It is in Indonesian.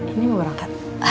ini mau berangkat